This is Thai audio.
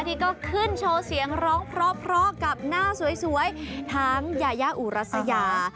ที่ก็ขึ้นโชว์เสียงร้องเพราะกับหน้าสวยทั้งยายาอุรัสยา